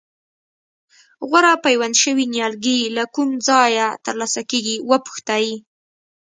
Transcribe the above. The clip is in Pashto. غوره پیوند شوي نیالګي له کوم ځایه ترلاسه کېږي وپوښتئ.